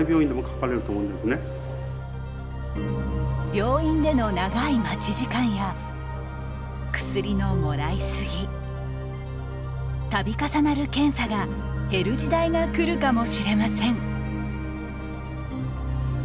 病院での長い待ち時間や薬のもらいすぎ度重なる検査が減る時代が来るかもしれません。